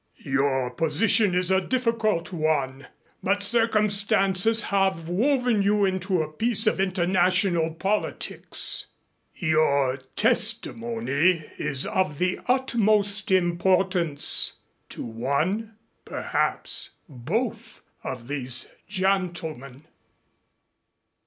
Your position is a difficult one, but circumstances have woven you into a piece of international politics. Your testimony is of the utmost importance to one perhaps both of these gentlemen."